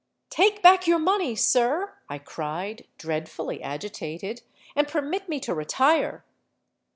'—'Take back your money, sir,' I cried, dreadfully agitated; 'and permit me to retire.'